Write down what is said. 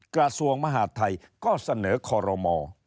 กระทรวงมหาดไทยก็เสนอคอรมอ